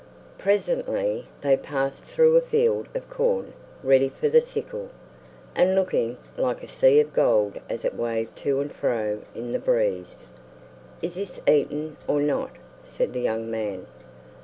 Presently they passed through a field of corn ready for the sickle, and looking' like a sea of gold as it waved to and fro in the breeze. "Is this eaten or not?" said the young man.